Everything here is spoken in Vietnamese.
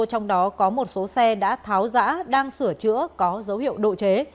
trong đó có một số xe đã tháo giã đang sửa chữa có dấu hiệu độ chế